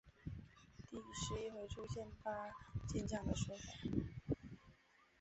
第十一回出现八健将的说法。